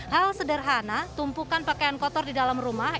hal sederhana tumpukan pakaian kotor di dalam rumah